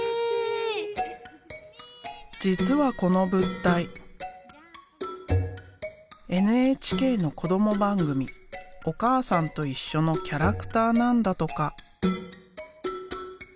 実はこの物体ＮＨＫの子ども番組「おかあさんといっしょ」のキャラクターなんだとか。